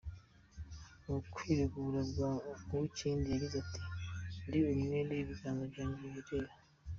Mu kwiregura kwa Uwinkindi yagize ati” Ndi umwere ibiganza byange birera”